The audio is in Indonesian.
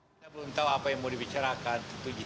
kita belum tahu apa yang mau dibicarakan